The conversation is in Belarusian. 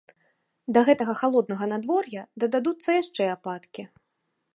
Да гэтага халоднага надвор'я дададуцца яшчэ ападкі.